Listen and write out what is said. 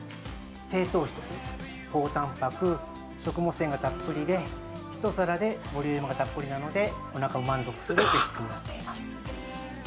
低糖質、高たんぱく、食物繊維がたっぷりで一皿でボリュームがたっぷりなのでおなかも満足するレシピになっています。